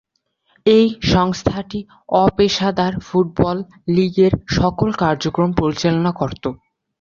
এই সংস্থাটি অপেশাদার ফুটবল লীগের সকল কার্যক্রম পরিচালনা করতো।